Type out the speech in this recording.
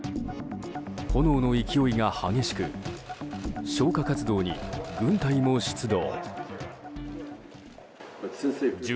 炎の勢いが激しく消火活動に軍隊も出動。